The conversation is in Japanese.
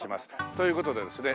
という事でですね